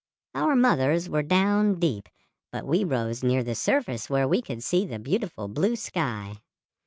Our mothers were down deep, but we rose near the surface where we could see the beautiful blue sky."